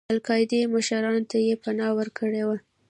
د القاعدې مشرانو ته یې پناه ورکړې وه.